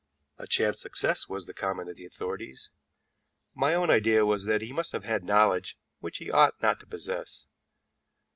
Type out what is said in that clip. A chance success was the comment of the authorities; my own idea was that he must have had knowledge which he ought not to possess.